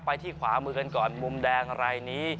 ไปที่ขวามือกันก่อนมุมแดงอะไรนี้